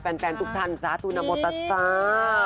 แฟนทุกทันสาธุนโนโมตสา